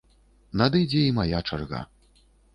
Надыдзе і мая чарга.